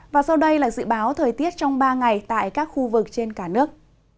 và sau đây là dự báo thời tiết trong ba ngày tại các khu vực trên cả nước